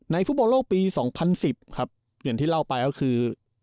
ในฟุตบอลโลกปีสองพันสิบครับเหมือนที่เล่าไปแล้วคือ